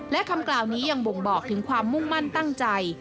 และคำกล่าวนี้ยังบ่งบอกถึงความมุ่งมั่นตั้งใจ